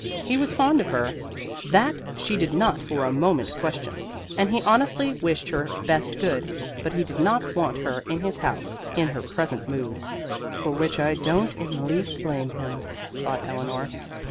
He was fond of her, that she did not for a moment question, and he honestly wished her best good; but he did not want her in his house in her present mood. "For which I don't in the least blame him," thought Eleanor.